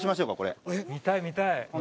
見たい見たい！